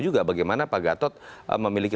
juga bagaimana pak gatot memiliki